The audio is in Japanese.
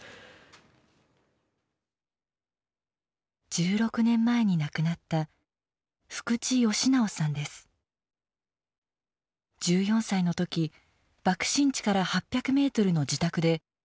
１６年前に亡くなった１４歳の時爆心地から８００メートルの自宅で家族とともに被爆。